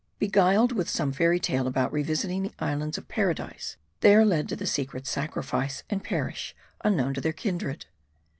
Beguiled with some fairy tale about revisiting the islands of Paradise, they are led to the secret sacrifice, and perish unknown to their kindred.